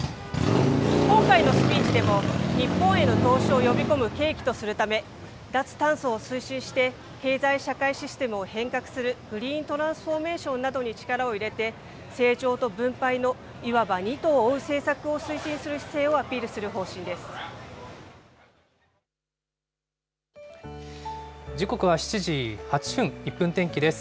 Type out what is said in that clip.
今回のスピーチでも日本への投資を呼び込む契機とするため、脱炭素を推進して経済社会システムを変革する、グリーントランスフォーメーションなどに力を入れて、成長と分配のいわば二兎を追う政策を推進する姿勢をアピールする時刻は７時８分、１分天気です。